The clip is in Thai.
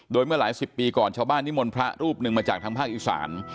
โดยเมื่อหลายสิบปีก่อนชาวบ้านนิมนต์พระรูปหนึ่งมาจากทางภาคอีสาน